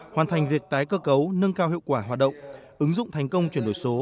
hoàn thành việc tái cơ cấu nâng cao hiệu quả hoạt động ứng dụng thành công chuyển đổi số